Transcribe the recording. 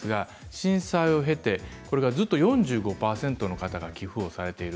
震災を経て、それからは４５％の方が寄付をされている。